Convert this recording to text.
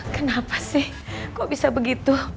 kenapa sih kok bisa begitu